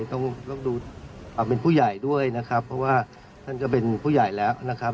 ต้องดูเป็นผู้ใหญ่ด้วยนะครับเพราะว่าท่านก็เป็นผู้ใหญ่แล้วนะครับ